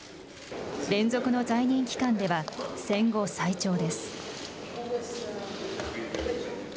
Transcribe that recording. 連続の在任期間では戦後最長です。